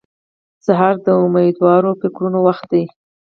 سهار د امېدوار فکرونو وخت دی.